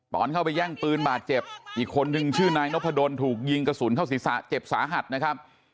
ตอนเข้าไปแย่งปืนบาดเจ็บอีกคนนึงชื่อนายนพดลถูกยิงกระสุนเข้าศีรษะเจ็บสาหัสนะครับ